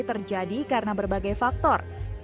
terjadi karena berbagai faktor